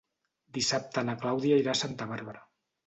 Dissabte na Clàudia irà a Santa Bàrbara.